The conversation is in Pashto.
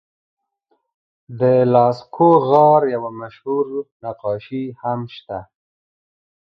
د لاسکو غار یوه مشهور نقاشي هم شته.